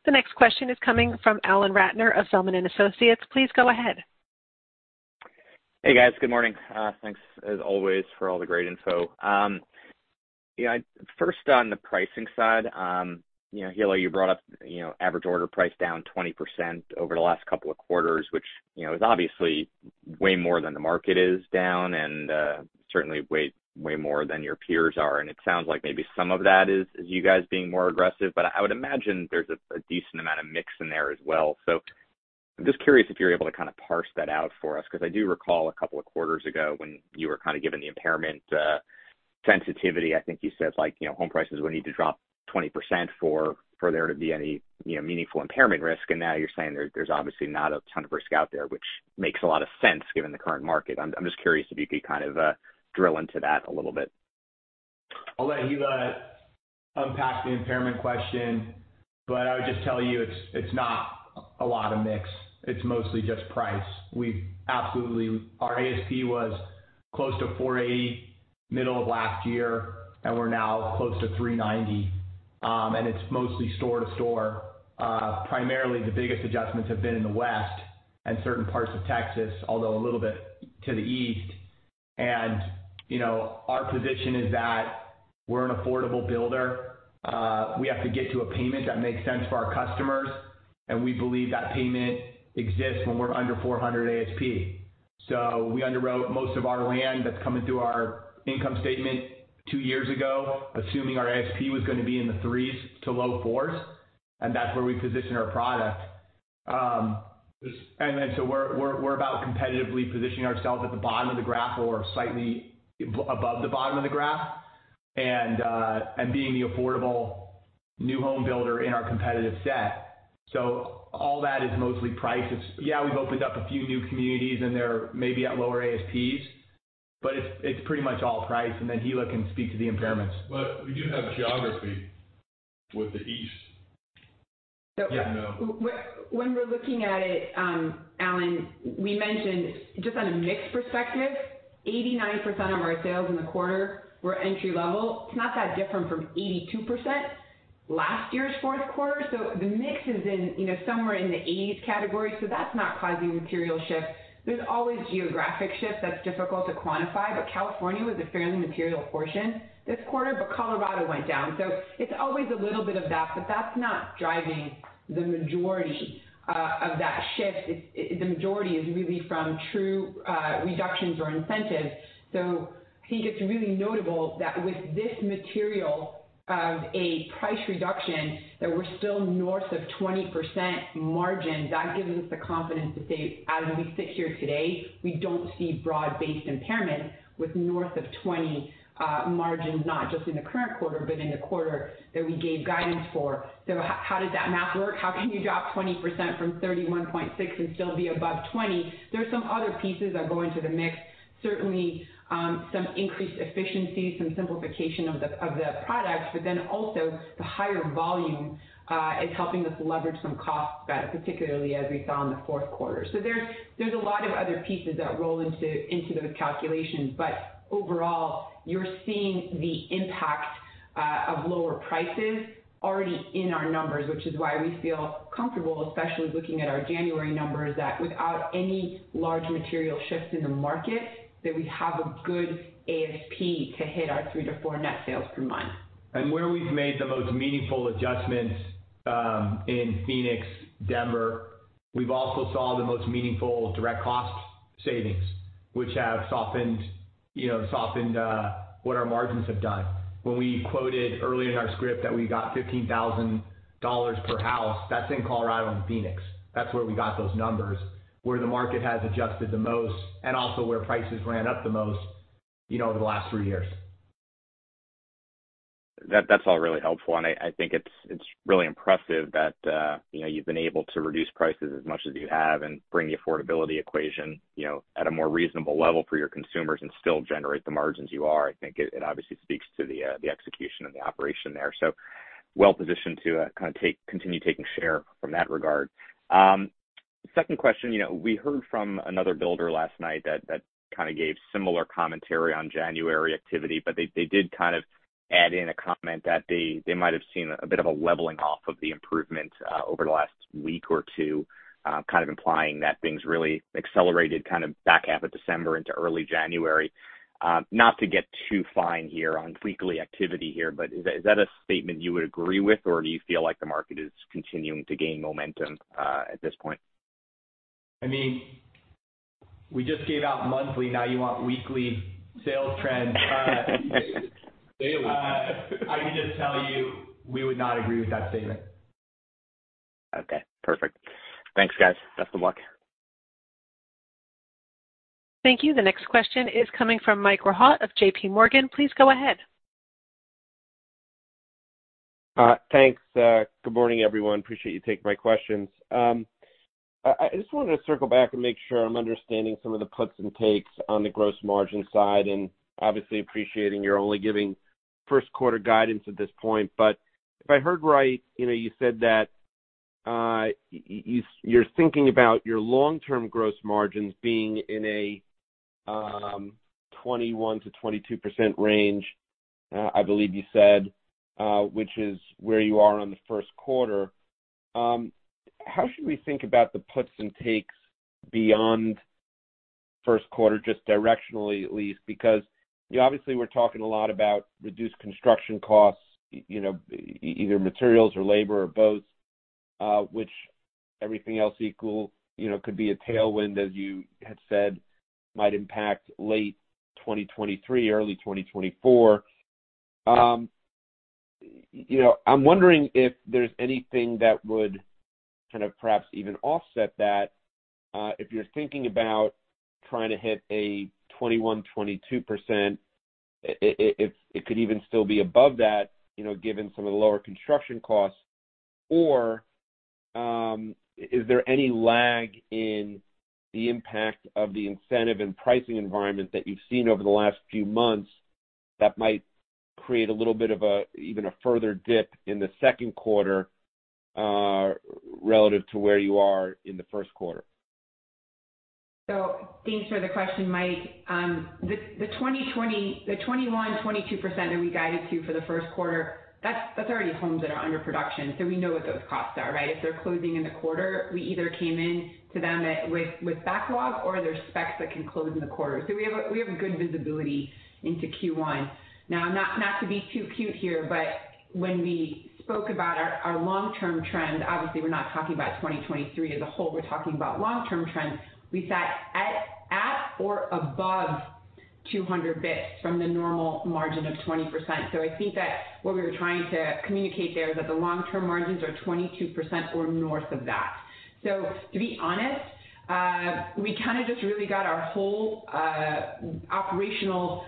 The next question is coming from Alan Ratner of Zelman & Associates. Please go ahead.
Hey, guys. Good morning. Thanks as always for all the great info. First on the pricing side, you know, Hilla, you brought up, you know, average order price down 20% over the last couple of quarters, which, you know, is obviously way more than the market is down and certainly way more than your peers are. It sounds like maybe some of that is you guys being more aggressive, but I would imagine there's a decent amount of mix in there as well. I'm just curious if you're able to kind of parse that out for us, 'cause I do recall a couple of quarters ago when you were kind of giving the impairment sensitivity, I think you said, like, you know, home prices would need to drop 20% for there to be any, you know, meaningful impairment risk. Now you're saying there's obviously not a ton of risk out there, which makes a lot of sense given the current market. I'm just curious if you could kind of drill into that a little bit.
I'll let Hilla unpack the impairment question, but I would just tell you it's not a lot of mix. It's mostly just price. We absolutely Our ASP was close to $480 middle of last year, and we're now close to $390. It's mostly store to store. Primarily the biggest adjustments have been in the West and certain parts of Texas, although a little bit to the east. You know, our position is that we're an affordable builder. We have to get to a payment that makes sense for our customers, and we believe that payment exists when we're under $400 ASP. We underwrote most of our land that's coming through our income statement two years ago, assuming our ASP was gonna be in the $300s to low-$400s, and that's where we position our product. We're about competitively positioning ourselves at the bottom of the graph or slightly above the bottom of the graph. Being the affordable new home builder in our competitive set. All that is mostly price. Yeah, we've opened up a few new communities, and they're maybe at lower ASPs, but it's pretty much all price. Hilla can speak to the impairments.
We do have geography with the East.
So-
Yeah, no.
When we're looking at it, Alan, we mentioned just on a mix perspective, 89% of our sales in the quarter were entry-level. It's not that different from 82% last year's fourth quarter. The mix is in, you know, somewhere in the 80s category. That's not causing material shift. There's always geographic shift that's difficult to quantify, but California was a fairly material portion this quarter, but Colorado went down, so it's always a little bit of that. That's not driving the majority of that shift. The majority is really from true reductions or incentives. I think it's really notable that with this material of a price reduction, that we're still north of 20% margin. That gives us the confidence to say, as we sit here today, we don't see broad-based impairments with north of 20 margins, not just in the current quarter, but in the quarter that we gave guidance for. How does that math work? How can you drop 20% from 31.6% and still be above 20%? There's some other pieces that go into the mix. Certainly, some increased efficiency, some simplification of the products, but then also the higher volume is helping us leverage some cost benefits, particularly as we saw in the fourth quarter. There's a lot of other pieces that roll into those calculations. Overall, you're seeing the impact of lower prices already in our numbers, which is why we feel comfortable, especially looking at our January numbers, that without any large material shifts in the market, that we have a good ASP to hit our 3 to 4 net sales per month.
Where we've made the most meaningful adjustments in Phoenix, Denver, we've also saw the most meaningful direct cost savings, which have softened, you know, what our margins have done. When we quoted early in our script that we got $15,000 per house, that's in Colorado and Phoenix. That's where we got those numbers, where the market has adjusted the most and also where prices ran up the most, you know, over the last three years.
That's all really helpful, and I think it's really impressive that, you know, you've been able to reduce prices as much as you have and bring the affordability equation, you know, at a more reasonable level for your consumers and still generate the margins you are. I think it obviously speaks to the execution of the operation there. Well positioned to continue taking share from that regard. Second question. You know, we heard from another builder last night that kinda gave similar commentary on January activity, but they did kind of add in a comment that they might have seen a bit of a leveling off of the improvement over the last week or two, kind of implying that things really accelerated kind of back half of December into early January. Not to get too fine here on weekly activity here, but is that, is that a statement you would agree with, or do you feel like the market is continuing to gain momentum at this point?
I mean, we just gave out monthly, now you want weekly sales trends.
Daily.
I can just tell you we would not agree with that statement.
Okay, perfect. Thanks, guys. Best of luck.
Thank you. The next question is coming from Mike Rehaut of JPMorgan. Please go ahead.
Thanks. Good morning, everyone. Appreciate you taking my questions. I just wanted to circle back and make sure I'm understanding some of the puts and takes on the gross margin side, and obviously appreciating you're only giving first quarter guidance at this point. If I heard right, you know, you said that you're thinking about your long-term gross margins being in a 21%-22% range, I believe you said, which is where you are on the first quarter. How should we think about the puts and takes beyond first quarter, just directionally at least? You know, obviously we're talking a lot about reduced construction costs, you know, either materials or labor or both, which everything else equal, you know, could be a tailwind, as you had said, might impact late 2023, early 2024. You know, I'm wondering if there's anything that would kind of perhaps even offset that, if you're thinking about trying to hit a 21%-22%, if it could even still be above that, you know, given some of the lower construction costs. Is there any lag in the impact of the incentive and pricing environment that you've seen over the last few months that might create a little bit of even a further dip in the second quarter, relative to where you are in the first quarter?
Thanks for the question, Mike. The 21%-22% that we guided to for the first quarter, that's already homes that are under production. We know what those costs are, right? If they're closing in the quarter, we either came in to them with backlog or they're specs that can close in the quarter. We have a good visibility into Q1. Now, not to be too cute here, but when we spoke about our long-term trend, obviously we're not talking about 2023 as a whole. We're talking about long-term trends. We sat at or above 200 bips from the normal margin of 20%. I think that what we were trying to communicate there is that the long-term margins are 22% or north of that. To be honest, we kinda just really got our whole operational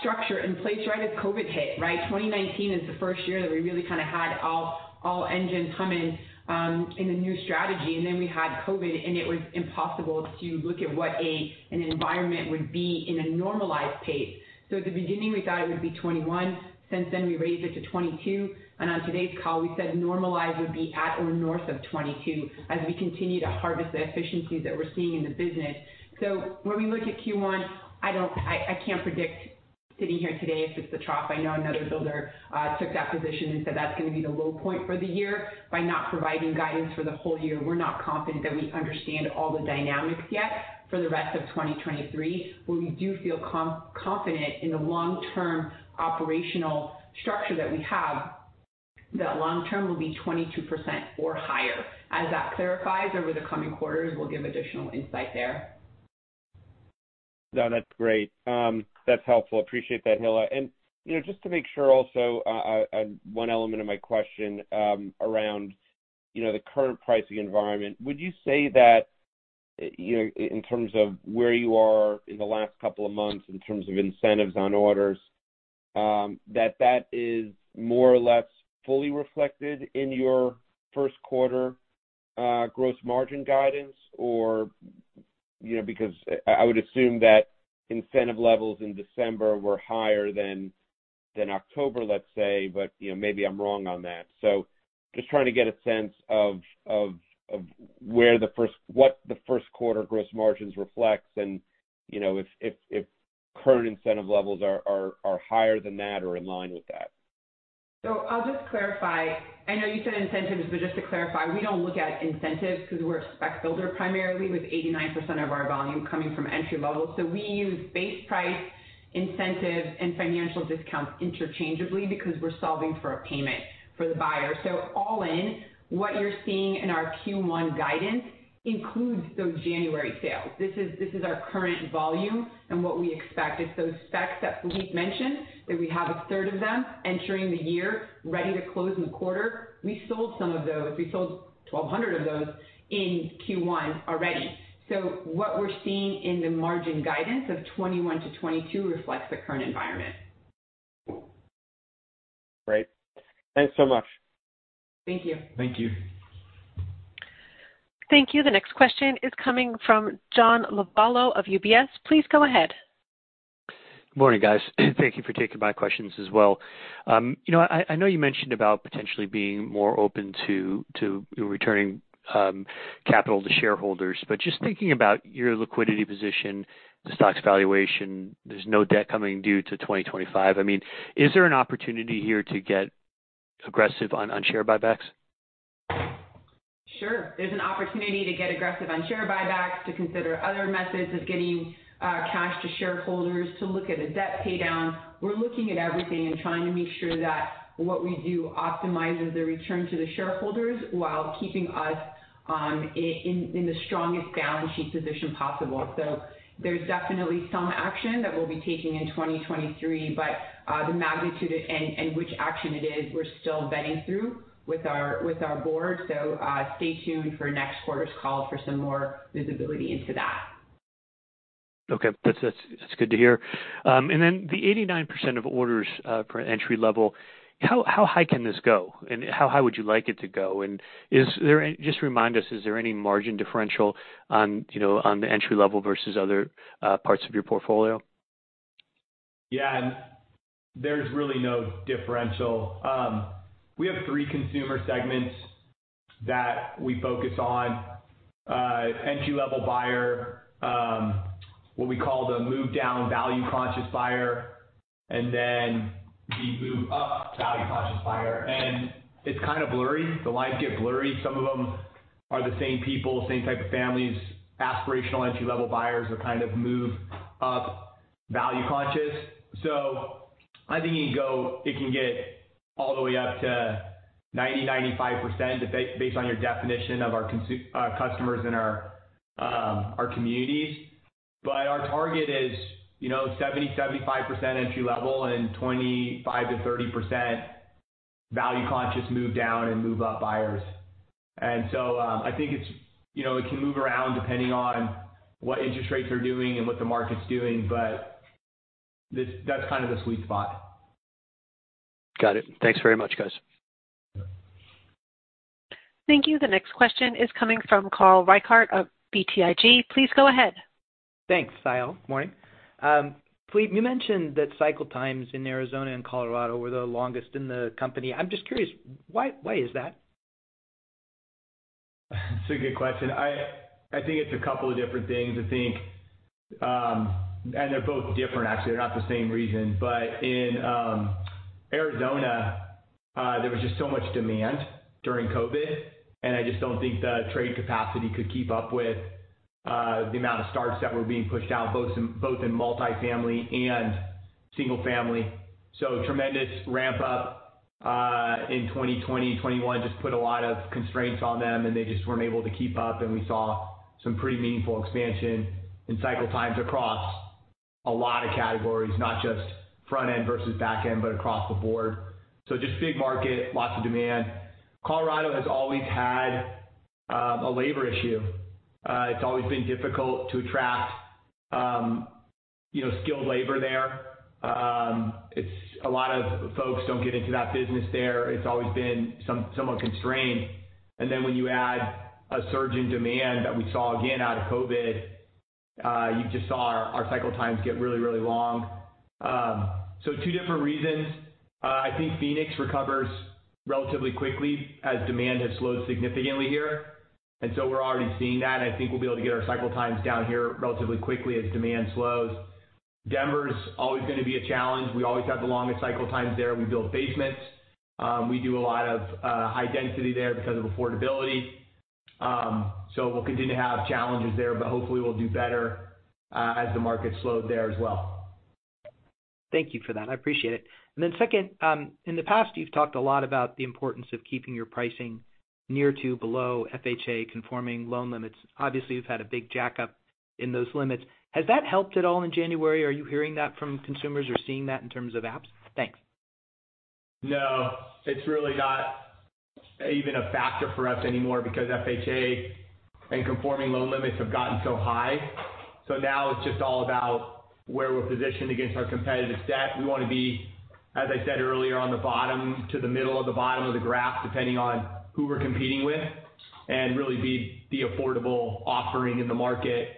structure in place right as COVID hit, right? 2019 is the first year that we really kind of had all engines humming in the new strategy. We had COVID, and it was impossible to look at what an environment would be in a normalized pace. At the beginning, we thought it would be 21%. Since then, we raised it to 22%. On today's call, we said normalized would be at or north of 22% as we continue to harvest the efficiencies that we're seeing in the business. When we look at Q1, I can't predict sitting here today if it's the trough. I know another builder took that position and said that's gonna be the low point for the year. By not providing guidance for the whole year, we're not confident that we understand all the dynamics yet for the rest of 2023. Where we do feel confident in the long-term operational structure that we have, that long-term will be 22% or higher. As that clarifies over the coming quarters, we'll give additional insight there.
No, that's great. That's helpful. Appreciate that, Hilla. You know, just to make sure also, and one element of my question, around, you know, the current pricing environment. Would you say that, you know, in terms of where you are in the last couple of months in terms of incentives on orders, that that is more or less fully reflected in your first quarter gross margin guidance? Or. You know, because I would assume that incentive levels in December were higher than October, let's say, but, you know, maybe I'm wrong on that. Just trying to get a sense of where what the first quarter gross margins reflects and, you know, if current incentive levels are higher than that or in line with that.
I'll just clarify. I know you said incentives, but just to clarify, we don't look at incentives because we're a spec builder primarily with 89% of our volume coming from entry level. We use base price, incentive, and financial discounts interchangeably because we're solving for a payment for the buyer. All in, what you're seeing in our Q1 guidance includes those January sales. This is our current volume and what we expect. It's those specs that Phillippe mentioned, that we have a third of them entering the year ready to close in the quarter. We sold some of those. We sold 1,200 of those in Q1 already. What we're seeing in the margin guidance of 21%-22% reflects the current environment.
Great. Thanks so much.
Thank you.
Thank you.
Thank you. The next question is coming from John Lovallo of UBS. Please go ahead.
Morning, guys. Thank you for taking my questions as well. You know, I know you mentioned about potentially being more open to returning capital to shareholders. Just thinking about your liquidity position, the stock's valuation, there's no debt coming due to 2025. I mean, is there an opportunity here to get aggressive on share buybacks?
Sure. There's an opportunity to get aggressive on share buybacks, to consider other methods of getting cash to shareholders, to look at a debt pay down. We're looking at everything and trying to make sure that what we do optimizes the return to the shareholders while keeping us in the strongest balance sheet position possible. There's definitely some action that we'll be taking in 2023, but the magnitude and which action it is, we're still vetting through with our board. Stay tuned for next quarter's call for some more visibility into that.
Okay. That's good to hear. The 89% of orders, per entry level, how high can this go? How would you like it to go? Just remind us, is there any margin differential on, you know, on the entry level versus other, parts of your portfolio?
Yeah. There's really no differential. We have three consumer segments that we focus on. Entry-level buyer, what we call the move-down value conscious buyer, the move-up value conscious buyer. It's kind of blurry. The lines get blurry. Some of them are the same people, same type of families, aspirational entry-level buyers or kind of move-up value conscious. It can get all the way up to 90-95% based on your definition of our customers in our communities. Our target is, you know, 70-75% entry level and 25-30% value conscious move down and move up buyers. I think it's, you know, it can move around depending on what interest rates are doing and what the market's doing. That's kind of the sweet spot.
Got it. Thanks very much, guys.
Thank you. The next question is coming from Carl Reichardt of BTIG. Please go ahead.
Thanks, Kyle. Morning. Phillippe, you mentioned that cycle times in Arizona and Colorado were the longest in the company. I'm just curious, why is that?
It's a good question. I think it's a couple of different things. I think they're both different actually. They're not the same reason. In Arizona, there was just so much demand during COVID, I just don't think the trade capacity could keep up with the amount of starts that were being pushed out, both in multifamily and single family. Tremendous ramp up in 2020, 2021 just put a lot of constraints on them, they just weren't able to keep up. We saw some pretty meaningful expansion in cycle times across a lot of categories, not just front-end versus back-end, but across the board. Just big market, lots of demand. Colorado has always had a labor issue. It's always been difficult to attract, you know, skilled labor there. A lot of folks don't get into that business there. It's always been somewhat constrained. When you add a surge in demand that we saw again out of COVID, you just saw our cycle times get really, really long. Two different reasons. I think Phoenix recovers relatively quickly as demand has slowed significantly here. We're already seeing that, and I think we'll be able to get our cycle times down here relatively quickly as demand slows. Denver's always gonna be a challenge. We always have the longest cycle times there. We build basements. We do a lot of high density there because of affordability. We'll continue to have challenges there, but hopefully we'll do better as the market slowed there as well.
Thank you for that. I appreciate it. Then second, in the past, you've talked a lot about the importance of keeping your pricing near to below FHA conforming loan limits. Obviously, you've had a big jack-up in those limits. Has that helped at all in January? Are you hearing that from consumers or seeing that in terms of apps? Thanks.
No, it's really not even a factor for us anymore because FHA and conforming loan limits have gotten so high. Now it's just all about where we're positioned against our competitive set. We wanna be, as I said earlier, on the bottom to the middle of the bottom of the graph, depending on who we're competing with, and really be the affordable offering in the market.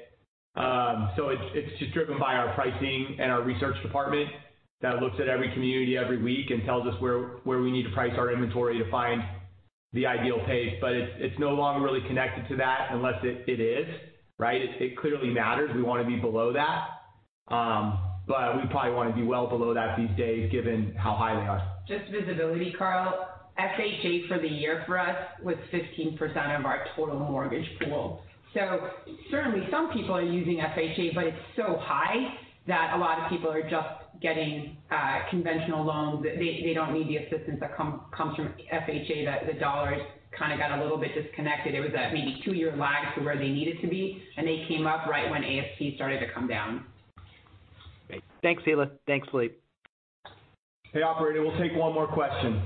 It's just driven by our pricing and our research department that looks at every community every week and tells us where we need to price our inventory to find the ideal pace. It's no longer really connected to that unless it is, right? It clearly matters. We wanna be below that. We probably wanna be well below that these days, given how high they are.
Visibility, Carl. FHA for the year for us was 15% of our total mortgage pool. Certainly some people are using FHA, but it's so high that a lot of people are just getting conventional loans. They don't need the assistance that comes from FHA, that the dollars kind of got a little bit disconnected. It was a maybe two-year lag to where they needed to be, and they came up right when AST started to come down.
Great. Thanks, Hilla. Thanks, Philippe.
Hey, operator, we'll take one more question.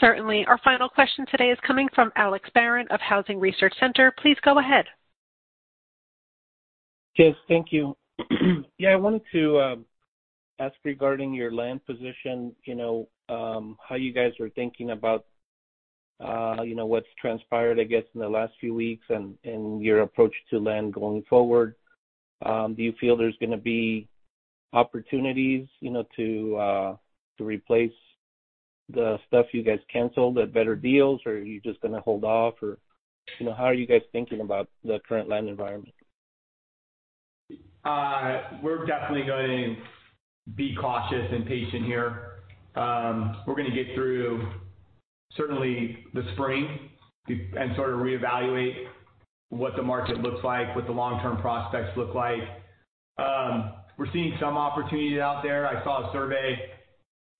Certainly. Our final question today is coming from Alex Barron of Housing Research Center. Please go ahead.
Yes, thank you. Yeah, I wanted to ask regarding your land position, you know, how you guys are thinking about, you know, what's transpired, I guess, in the last few weeks and your approach to land going forward. Do you feel there's gonna be opportunities, you know, to replace the stuff you guys canceled at better deals, or are you just gonna hold off? You know, how are you guys thinking about the current land environment?
We're definitely going to be cautious and patient here. We're gonna get through certainly the spring and sort of reevaluate what the market looks like, what the long-term prospects look like. We're seeing some opportunities out there. I saw a survey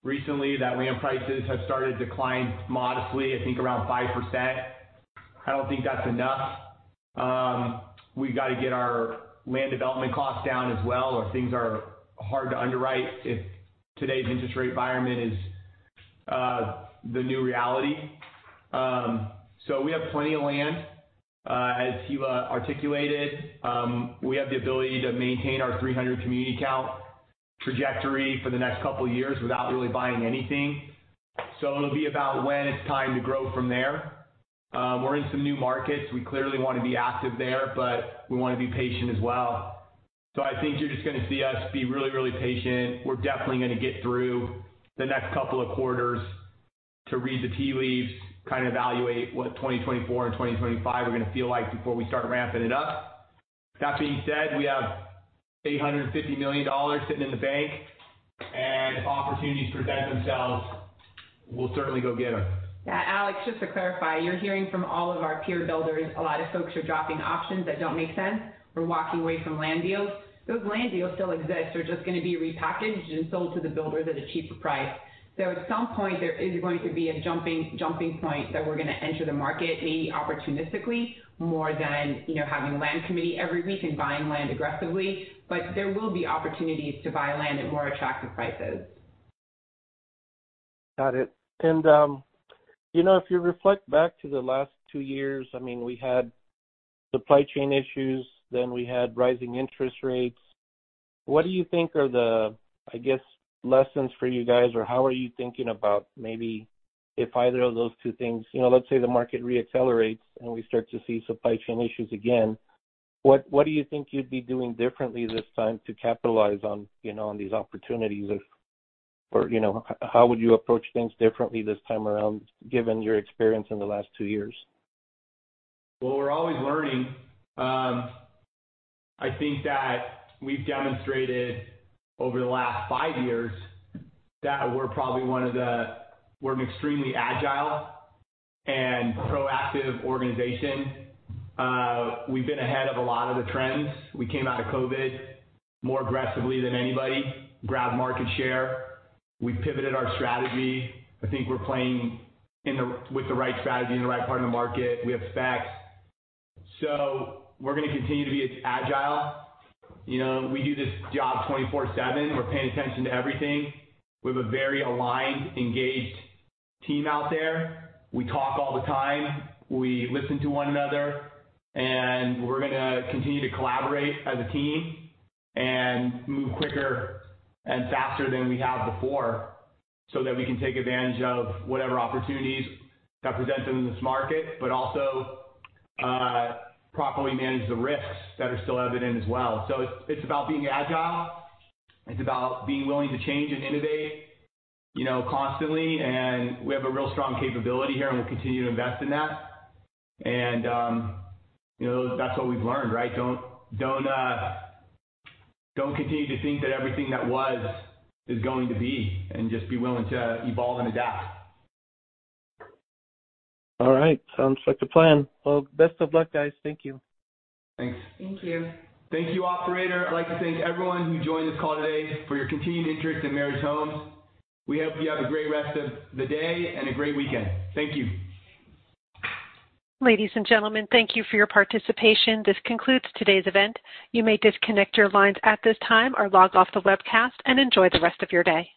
recently that land prices have started to decline modestly, I think around 5%. I don't think that's enough. We got to get our land development costs down as well, or things are hard to underwrite if today's interest rate environment is the new reality. We have plenty of land. As Hilla articulated, we have the ability to maintain our 300 community count trajectory for the next couple of years without really buying anything. It'll be about when it's time to grow from there. We're in some new markets. We clearly want to be active there, but we want to be patient as well. I think you're just gonna see us be really, really patient. We're definitely gonna get through the next couple of quarters to read the tea leaves, kind of evaluate what 2024 and 2025 are gonna feel like before we start ramping it up. That being said, we have $850 million sitting in the bank, and if opportunities present themselves, we'll certainly go get 'em.
Yeah. Alex, just to clarify, you're hearing from all of our peer builders, a lot of folks are dropping options that don't make sense or walking away from land deals. Those land deals still exist. They're just gonna be repackaged and sold to the builders at a cheaper price. At some point, there is going to be a jumping point that we're gonna enter the market, maybe opportunistically more than, you know, having a land committee every week and buying land aggressively. There will be opportunities to buy land at more attractive prices.
Got it. You know, if you reflect back to the last two years, I mean, we had supply chain issues, then we had rising interest rates. What do you think are the, I guess, lessons for you guys? How are you thinking about maybe if either of those two things, you know, let's say the market re-accelerates and we start to see supply chain issues again? What do you think you'd be doing differently this time to capitalize on, you know, on these opportunities if? You know, how would you approach things differently this time around, given your experience in the last two years?
We're always learning. I think that we've demonstrated over the last five years that we're probably an extremely agile and proactive organization. We've been ahead of a lot of the trends. We came out of COVID more aggressively than anybody, grabbed market share. We pivoted our strategy. I think we're playing with the right strategy in the right part of the market. We have specs. We're gonna continue to be agile. You know, we do this job 24/7. We're paying attention to everything. We have a very aligned, engaged team out there. We talk all the time. We listen to one another. We're gonna continue to collaborate as a team and move quicker and faster than we have before so that we can take advantage of whatever opportunities that present them in this market, but also, properly manage the risks that are still evident as well. It's about being agile, it's about being willing to change and innovate, you know, constantly. We have a real strong capability here, and we'll continue to invest in that. You know, that's what we've learned, right? Don't continue to think that everything that was is going to be, and just be willing to evolve and adapt.
All right. Sounds like the plan. Best of luck, guys. Thank you.
Thanks.
Thank you.
Thank you, operator. I'd like to thank everyone who joined this call today for your continued interest in Meritage Homes. We hope you have a great rest of the day and a great weekend. Thank you.
Ladies and gentlemen, thank you for your participation. This concludes today's event. You may disconnect your lines at this time or log off the webcast and enjoy the rest of your day.